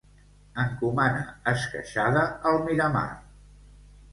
Encomana esqueixada al Miramar.